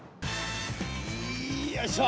いよいしょ！